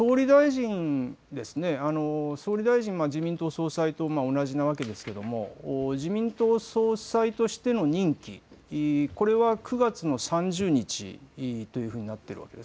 総理大臣、自民党総裁と同じなわけですが自民党総裁としての任期、これは９月の３０日というふうになっているわけです。